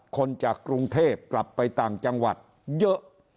คนจากกรุงเทพกลับไปต่างจังหวัดเยอะ